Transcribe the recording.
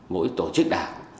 mỗi tổ chức đảng